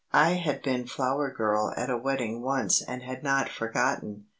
I had been flower girl at a wedding once and had not forgotten.